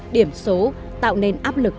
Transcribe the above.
điểm số tạo nên áp lực